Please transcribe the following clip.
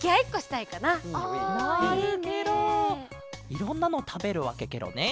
いろんなのたべるわけケロね。